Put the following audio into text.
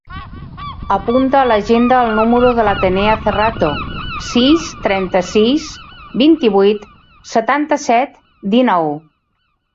Apunta a l'agenda el número de l'Atenea Cerrato: sis, trenta-sis, vint-i-vuit, setanta-set, dinou.